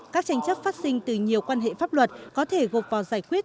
các tranh chấp phát sinh từ nhiều quan hệ pháp luật có thể gộp vào giải quyết